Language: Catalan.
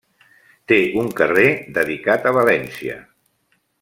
Té un carrer dedicat a València.